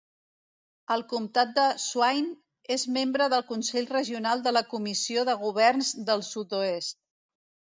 El comtat de Swain és membre del Consell regional de la comissió de governs del Sud-oest.